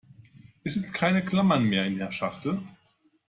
Es sind keine Klammern mehr in der Schachtel.